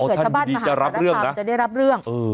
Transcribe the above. อ๋อท่านอยู่ดีจะรับเรื่องนะจะได้รับเรื่องอือ